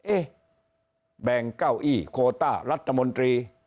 แบ่งเก้าอี้โคต้ารัฐมนตรี